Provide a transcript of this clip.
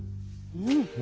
うん。